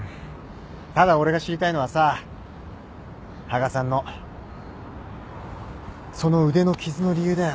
ただ俺が知りたいのはさ羽賀さんのその腕の傷の理由だよ。